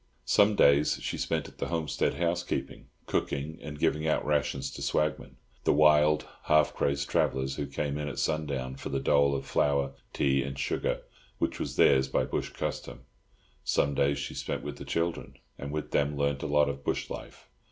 Some days she spent at the homestead housekeeping, cooking, and giving out rations to swagmen—the wild, half crazed travellers who came in at sundown for the dole of flour, tea and sugar, which was theirs by bush custom. Some days she spent with the children, and with them learnt a lot of bush life.